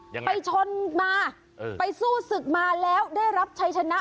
ไปชนมาเออไปสู้ศึกมาแล้วได้รับชัยชนะ